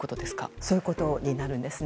そういうことになるんですね。